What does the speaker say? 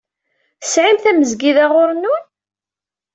Tesɛim tamezgida ɣur-nnun?